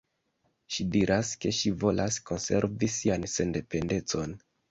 Ŝi diras, ke ŝi volas konservi sian sendependecon.